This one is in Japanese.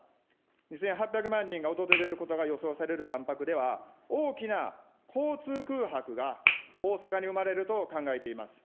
２８００万人が訪れることが予想される万博では、大きな交通空白が大阪に生まれると考えています。